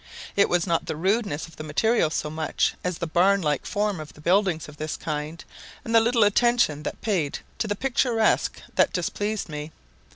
It was not the rudeness of the material so much as the barn like form of the buildings of this kind, and the little attention that was paid to the picturesque, that displeased me.